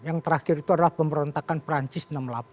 yang terakhir itu adalah pemberontakan perancis